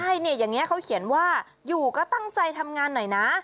ใช่เนี่ยอย่างนี้เขาเขียนว่าอยู่ก็ตั้งใจทำงานหน่อยนะ